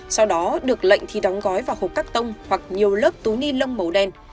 sau đó được lệnh thì đóng gói vào hộp cắt tông hoặc nhiều lớp túi ni lông màu đen